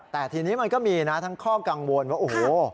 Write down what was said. แต่ทีนี้มันก็มีนะทั้งข้อกังวลว่าโอ้โห